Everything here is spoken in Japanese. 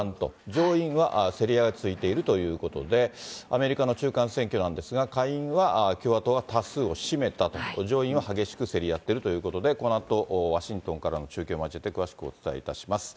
上院は競り合いが続いているということで、アメリカの中間選挙なんですが、下院は共和党が多数を占めたと、上院は激しく競り合っているということで、このあとワシントンからの中継を交えて詳しくお伝えいたします。